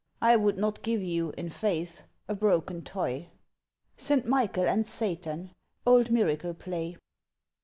I would not give you, in faith, a broken toy. Saint Michael and Satan (Old Miracle Play).